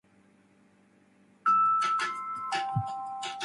福島県桑折町